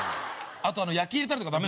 あと焼き入れたりとかダメ。